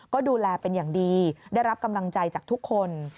ก็ดูแลเป็นอย่างดีได้รับกำลังใจจากทุกคน